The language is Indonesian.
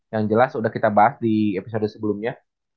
yang jelas sudah kita bahas di episode sebelumnya